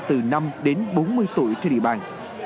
từ năm đến bốn mươi tuổi trên địa bàn